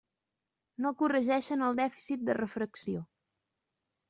No corregeixen el dèficit de refracció.